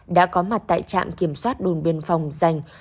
đã có mặt tại trạm kiểm soát đồn biên phòng dành